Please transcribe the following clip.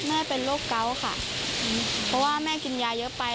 แม่เป็นโรคเกาะค่ะเพราะว่าแม่กินยาเยอะไป